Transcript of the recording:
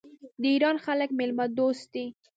د ایران خلک میلمه دوست دي.